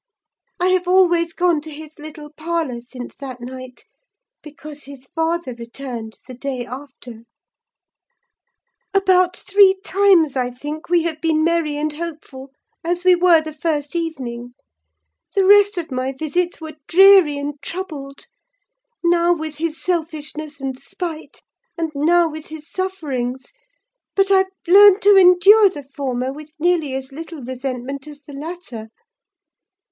I have always gone to his little parlour, since that night; because his father returned the day after. "About three times, I think, we have been merry and hopeful, as we were the first evening; the rest of my visits were dreary and troubled: now with his selfishness and spite, and now with his sufferings: but I've learned to endure the former with nearly as little resentment as the latter.